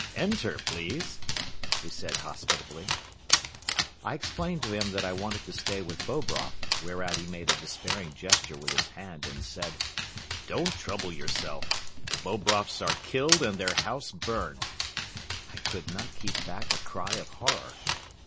"Enter, please," he said hospitably. I explained to him that I wanted to stay with Bobroff, whereat he made a despairing gesture with his hand and said: "Don't trouble yourself. The Bobroffs are killed and their house burned." I could not keep back a cry of horror.